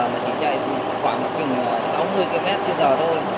mà chỉ chạy khoảng sáu mươi km trên giờ thôi